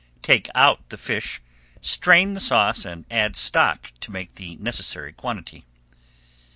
Take out the fish, strain the sauce, and add stock to make the necessary quantity.